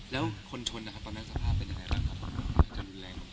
แล้วคนชนตอนนั้นสถานการณ์เป็นเนี่ยไง